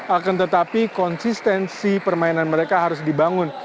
akan tetapi konsistensi permainan mereka harus dibangun